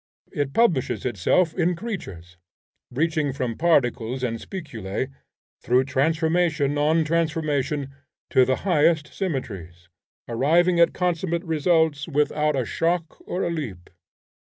It publishes itself in creatures, reaching from particles and spiculae through transformation on transformation to the highest symmetries, arriving at consummate results without a shock or a leap.